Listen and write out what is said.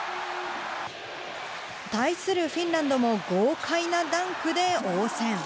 対するフィンランドも豪快なダンクで応戦。